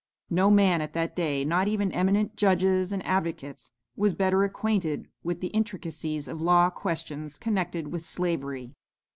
No man at that day, not even eminent judges and advocates, was better acquainted with the intricacies of law questions connected with slavery.